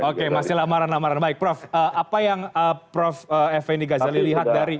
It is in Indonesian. oke masih lamaran lamaran baik prof apa yang prof effendi ghazali lihat dari